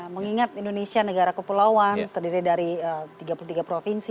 mengingat indonesia negara kepulauan terdiri dari tiga puluh tiga provinsi